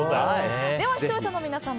視聴者の皆さん